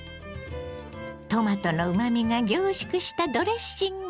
トマトのうまみが凝縮したドレッシング。